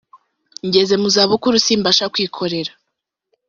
ngeze mu zabukuru simbasha kwikorera